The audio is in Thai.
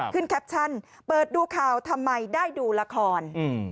แคปชั่นเปิดดูข่าวทำไมได้ดูละคร